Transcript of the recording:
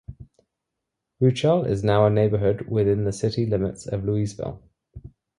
Buechel is now a neighborhood within the city limits of Louisville.